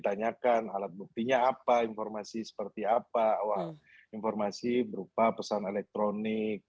tanyakan alat buktinya apa informasi seperti apa informasi berupa pesan elektronik